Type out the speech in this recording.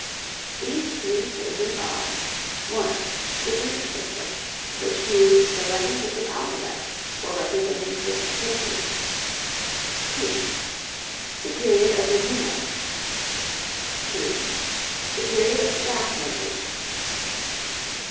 These three stages are: (1) The Greek system, which used the letters of the alphabet for representing fixed pitches. (2) The period of the neumae. (3) The period of staff notation.